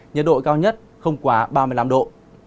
nhiệt độ cao nhất không quá ba mươi năm độ